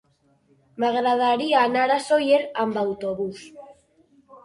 M'agradaria anar a Sóller amb autobús.